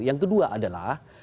yang kedua adalah